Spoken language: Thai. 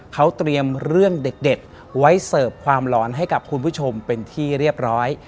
เขาเตรียมเรื่องเด็ดไว้เสิร์ฟความหลอนให้กับคุณผู้ชมเป็นที่เรียบร้อย